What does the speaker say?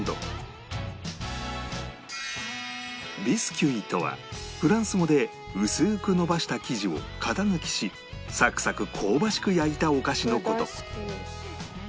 ビスキュイとはフランス語で薄く延ばした生地を型抜きしサクサク香ばしく焼いたお菓子の事